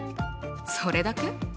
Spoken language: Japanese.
それだけ？